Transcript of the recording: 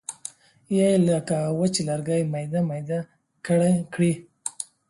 یا یې لکه وچ لرګی میده میده کړي.